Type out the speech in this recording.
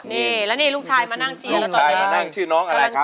นี่แล้วนี่ลูกชายมานั่งเชียร์แล้วตอนนี้มานั่งชื่อน้องอะไรครับ